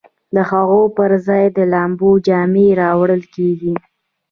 د هغو پر ځای د لامبو جامې راوړل کیږي